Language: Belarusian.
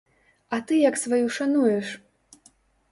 А ты як сваю шануеш?